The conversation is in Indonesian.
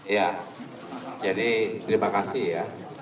ya jadi terima kasih ya